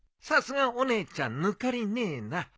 さすがお姉ちゃん抜かりねえな。